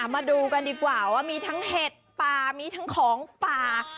มาดูกันดีกว่าว่ามีทั้งเห็ดป่ามีทั้งของป่า